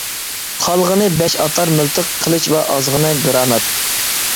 قالغىنى بەش ئاتار مىلتىق، قىلىچ ۋە ئازغىنە گىرانات.